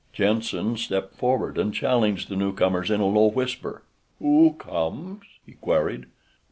Jenssen stepped forward and challenged the newcomers in a low whisper. "Who comes?" he queried.